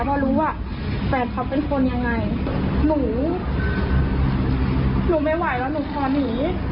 พอรู้ว่าแฟนเขาเป็นคนยังไงหนูหนูไม่ไหวแล้วหนูขอหนี